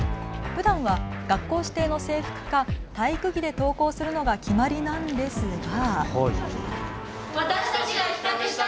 ふだんは学校指定の制服か体育着で登校するのが決まりなんですが。